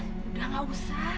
udah nggak usah